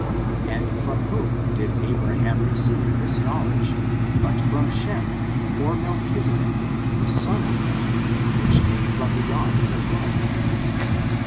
And from whom did Abra* ham receive this knowledge, but from Shem^ or AfU chisedekj the son of Noah, which came from beyond the flood?